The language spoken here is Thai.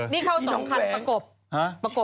นี่เขาสองทางประกบ